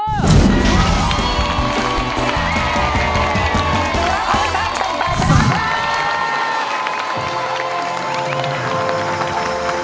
ก็ต้องตัดต่อไปนะครับ